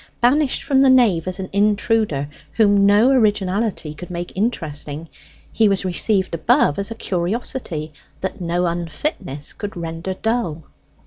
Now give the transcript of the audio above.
Banished from the nave as an intruder whom no originality could make interesting, he was received above as a curiosity that no unfitness could render dull.